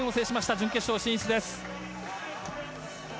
準決勝進出です。